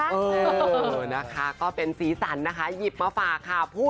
เออนะคะก็เป็นสีสันนะคะหยิบมาฝากค่ะ